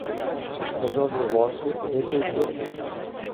Si sposò due volte ed ebbe due figli.